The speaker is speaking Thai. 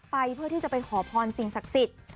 ไปเพื่อที่จะไปขอพรสิ่งศักดิ์สิทธิ์